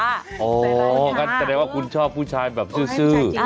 ก็แสดงว่าคุณชอบผู้ชายซื้อ